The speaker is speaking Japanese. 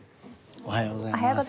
おはようございます。